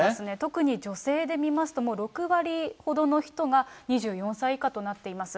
特に女性で見ますと、もう６割ほどの人が２４歳以下となっています。